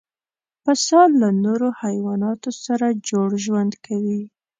پسه له نورو حیواناتو سره جوړ ژوند کوي.